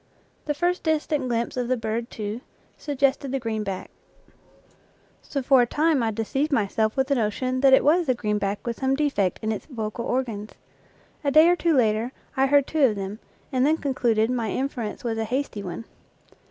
The first dis tant glimpse of the bird, too, suggested the green back, so for a time I deceived myself with the notion that it was the green back with some defect in its vocal organs. A day or two later I heard two of them, and then concluded my inference was a hasty one.